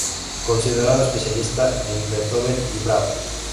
Considerado especialista en Beethoven y Brahms.